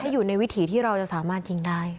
อยู่ในวิถีที่เราจะสามารถยิงได้